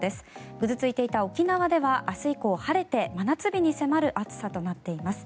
ぐずついていた沖縄では明日以降、晴れて真夏日に迫る暑さとなっています。